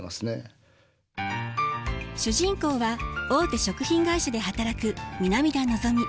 主人公は大手食品会社で働く南田のぞみ。